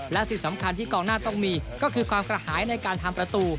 และสิ่งสำคัญที่กองหน้าต้องมีก็คือความกระหายในการทำประตู